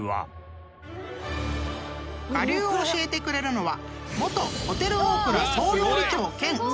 ［我流を教えてくれるのは］